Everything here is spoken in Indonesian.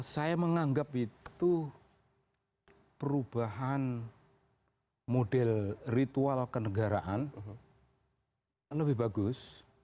saya menganggap itu perubahan model ritual kenegaraan lebih bagus